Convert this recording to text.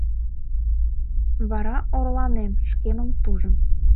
вара орланем шкемым тужын